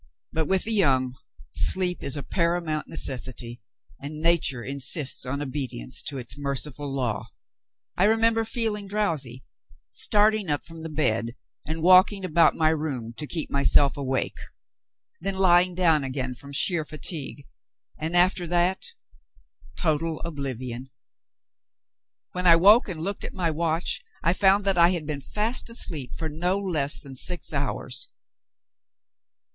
But, with the young, sleep is a paramount necessity, and nature insists on obedience to its merciful law. I remember feeling drowsy; starting up from the bed, and walking about my room, to keep myself awake; then lying down again from sheer fatigue; and after that total oblivion! When I woke, and looked at my watch, I found that I had been fast asleep for no less than six hours!